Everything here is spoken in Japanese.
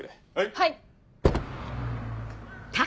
はい。